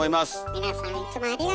皆さんいつもありがと！